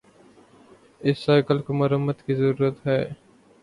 اس cycle کو مرمت کی ضرورت ہے